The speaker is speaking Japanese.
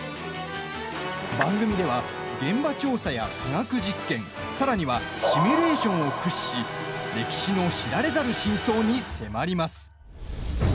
番組では、現場調査や科学実験さらにはシミュレーションを駆使し歴史の知られざる真相に迫ります。